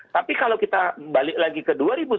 tapi kalau kita balik lagi ke dua ribu tujuh belas